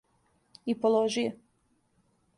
И положи је.